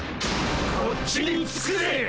こっちにつくぜ。